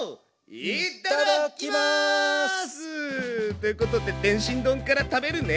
いただきます！ということで天津丼から食べるね。